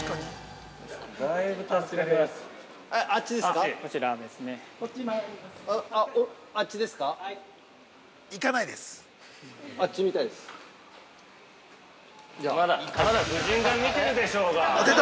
「北の国から」まだ夫人が見てるでしょうが！